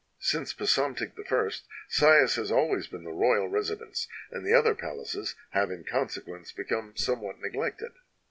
"Since Psamtik I, Sais has always been the royal residence, and the other palaces have in consequence become somewhat neglected.